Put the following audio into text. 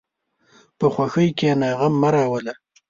په خوښۍ کښېنه، غم مه راوله.